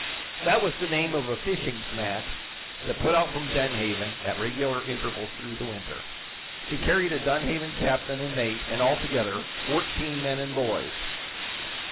That was the name of a fishing smack that put out from Dunhaven at regular intervals through the winter. She carried a Dunhaven captain and mate, and, altogether, fourteen men and boys.